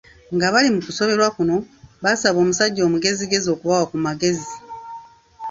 Nga bali mu kusoberwa kuno, baasaba omusajja omugezigezi okubawa ku magezi.